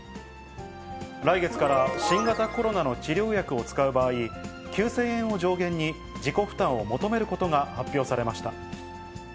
来月から、新型コロナの治療薬を使う場合、９０００円を上限に自己負担を求めることが発表されました。